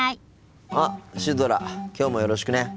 あっシュドラきょうもよろしくね。